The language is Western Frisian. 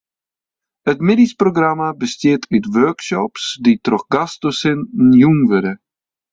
It middeisprogramma bestiet út workshops dy't troch gastdosinten jûn wurde.